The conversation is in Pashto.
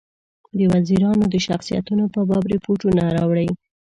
د وزیرانو د شخصیتونو په باب رپوټونه راوړي.